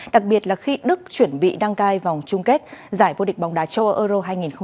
đặc biệt là khi đức chuẩn bị đăng cai vòng chung kết giải vô địch bóng đá châu âu euro hai nghìn hai mươi